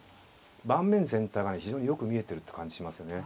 盤面全体がね非常によく見えてるって感じしますよね。